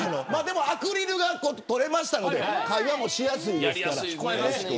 アクリルが取れましたから会話もしやすいですから。